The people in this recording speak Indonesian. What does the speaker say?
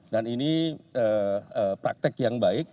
dan ini praktek yang baik